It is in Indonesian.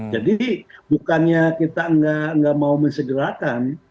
jadi bukannya kita nggak mau mensegerakan